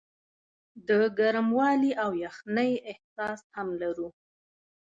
د ګرموالي او یخنۍ احساس هم لرو.